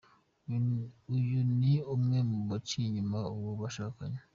Uyu ni umwe mu baciye inyuma uwo bashakanye.